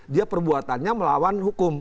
dia perbuatannya melawan hukum